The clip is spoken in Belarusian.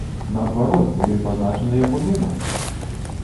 Наадварот, у ёй пазначаны яго нумар!